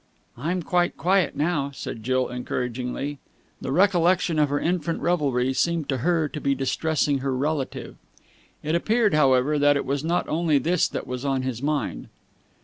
"I'm quite quiet now," said Jill encouragingly. The recollection of her infant revelry seemed to her to be distressing her relative. It appeared, however, that it was not only this that was on his mind.